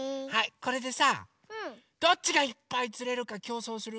これでさどっちがいっぱいつれるかきょうそうする？